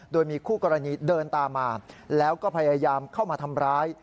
โดยมีคู่กรณีเดินตามมาแล้วก็พยายามเข้ามาทำร้าย